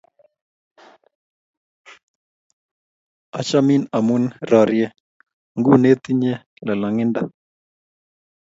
Achamin amu rorye ng'ung' ne tinye lolong'indo